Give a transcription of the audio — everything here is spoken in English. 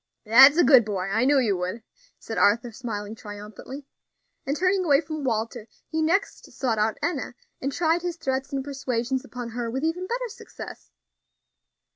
"That's a good boy; I knew you would," said Arthur, smiling triumphantly. And turning away from Walter, he next sought out Enna, and tried his threats and persuasions upon her with even better success.